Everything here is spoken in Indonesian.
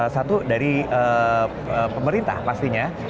satu dari pemerintah pastinya